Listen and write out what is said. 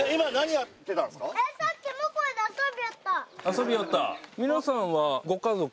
遊びよった。